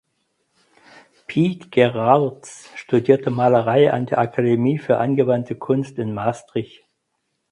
Piet Gerards studierte Malerei an der Akademie für angewandte Kunst in Maastricht.